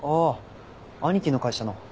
あ兄貴の会社の。